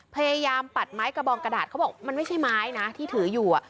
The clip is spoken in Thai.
ปัดไม้กระบองกระดาษเขาบอกมันไม่ใช่ไม้นะที่ถืออยู่